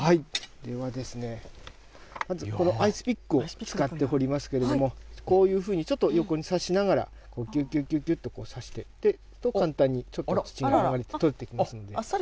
ではまず、このアイスピックを使って掘りますけれども、こういうふうに、ちょっと横に刺しながら、こう、ぎゅぎゅぎゅっと刺していって、簡単にちょっと土が剥がれてとれてきますので。